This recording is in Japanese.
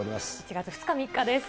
１月２日、３日です。